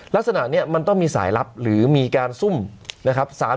ลักษณะนี้มันต้องมีสายลับหรือมีการซุ่มนะครับ